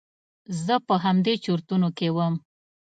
زه په همدې چرتونو کې وم.